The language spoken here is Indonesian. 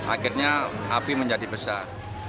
akhirnya api menjadi besar